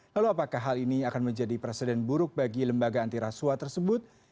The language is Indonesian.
lalu apakah hal ini akan menjadi presiden buruk bagi lembaga antiraswa tersebut